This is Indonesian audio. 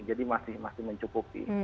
jadi masih mencukupi